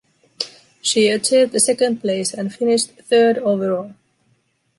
She achieved a second place and finished third overall.